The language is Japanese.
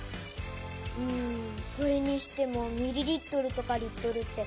うんそれにしてもミリリットルとかリットルって。